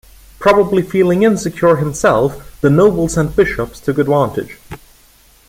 Probably feeling insecure himself, the nobles and bishops took advantage.